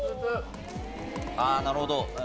ああなるほど。